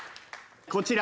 こちら。